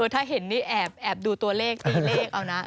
ถ้าเห็นนี่แอบดูตัวเลขตีเลขเอานะ